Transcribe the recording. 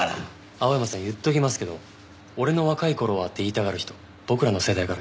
青山さん言っておきますけど「俺の若い頃は」って言いたがる人僕らの世代から嫌われますよ。